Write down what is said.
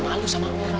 malu sama orang